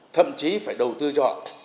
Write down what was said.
thậm chí phải đầu tư cho họ